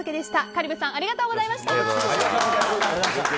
香里武さんありがとうございました。